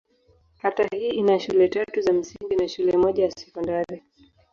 Kata hii ina shule tatu za msingi na shule moja ya sekondari.